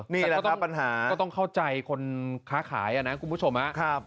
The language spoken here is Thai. นี่แหละครับปัญหาก็ต้องเข้าใจคนค้าขายนะคุณผู้ชม